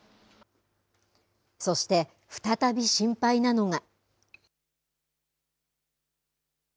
そして再び心配なのが。